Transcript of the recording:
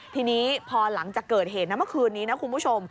ทีนี้พอหลังจากเกิดเหตุนะเมื่อคืนนี้นะคุณผู้ชม